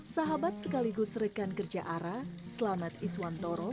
sahabat sekaligus rekan kerja ara selamet iswantoro